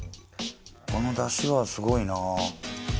このダシはすごいな。